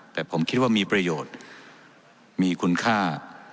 แต่ผมคิดว่ามีประโยชน์มีคุณค่า